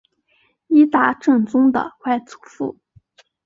伊达政宗的外祖父。